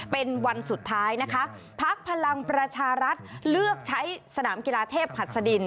เป็นวันสุดท้ายนะคะพักพลังประชารัฐเลือกใช้สนามกีฬาเทพหัสดิน